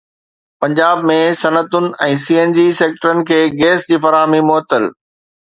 پنجاب ۾ صنعتن ۽ C N G سيڪٽرن کي گيس جي فراهمي معطل